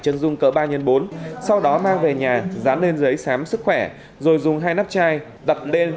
chân dung cỡ ba x bốn sau đó mang về nhà dán lên giấy khám sức khỏe rồi dùng hai nắp chai đặt lên